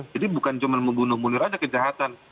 jadi bukan cuma membunuh munir aja kejahatan